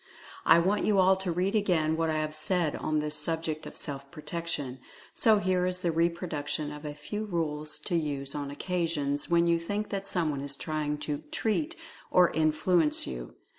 I want you all to read again what I have said on this subject of Self Protection. So here is the reproduction of a few rules to use on occasions when you think that someone is trying to so "treat" or "in fluence you.